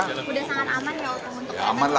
sudah sangat aman ya